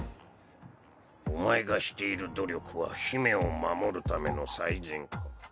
お前がしている努力は姫を守るための最善か？